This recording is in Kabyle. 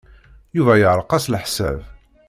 Yuba yeɛreq-as leḥsab.